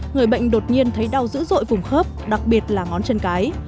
người bệnh đột nhiên thấy đau dữ dội vùng khớp đặc biệt là ngón chân cái